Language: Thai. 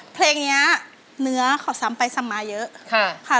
เพลงแบบนี้เนื้อของ์สามาร์เยอะค่ะ